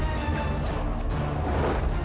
assalamualaikum warahmatullahi wabarakatuh